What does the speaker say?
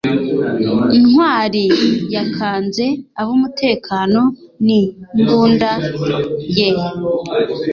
Ntwari yakanze ab’umutekano ni mbunda ye.